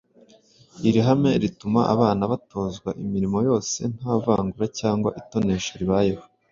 Iri hame rituma abana batozwa imirimo yose nta vangura cyangwa itonesha ribayeho.